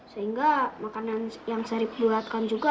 sehingga makanan yang saya buatkan juga